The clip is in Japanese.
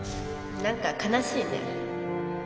何か悲しいね